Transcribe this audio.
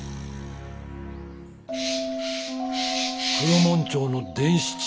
黒門町の伝七？